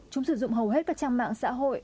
chúng sử dụng hầu hết các trang mạng xã hội